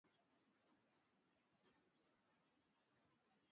Nywele za yule dada zinametameta